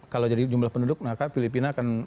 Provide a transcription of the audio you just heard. kalau jadi jumlah penduduk maka filipina akan